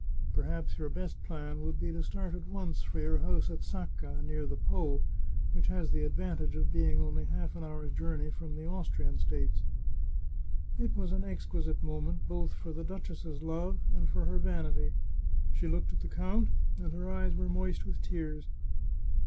Perhaps your best plan would be to start at once for your house at Sacca, near the Po, which has the advantage of being only half an hour's journey from the Austrian states." It was an exquisite moment, both for the duchess's love, and for her vanity. She looked at the count, and her eyes were moist with tears.